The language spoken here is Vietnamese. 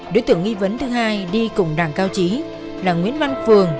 đối tượng nghi vấn thứ hai đi cùng đảng cao trí là nguyễn văn phường